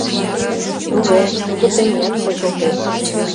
— Туге, тудо теният почылтеш.